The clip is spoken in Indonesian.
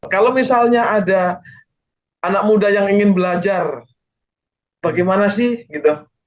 kalau misalnya ada anak muda yang ingin belajar bagaimana sih gitu